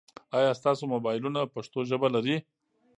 آیا ستاسو موبایلونه پښتو ژبه لري؟